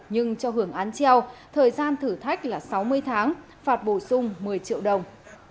nhưng cho hưởng án treo thời gian thử thách là sáu mươi tháng phạt bổ sung một mươi triệu đồng